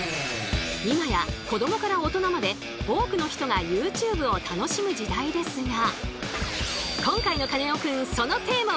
今や子どもから大人まで多くの人がＹｏｕＴｕｂｅを楽しむ時代ですが。